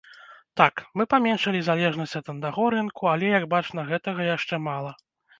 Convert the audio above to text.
Так, мы паменшылі залежнасць ад аднаго рынку, але, як бачна, гэтага яшчэ мала.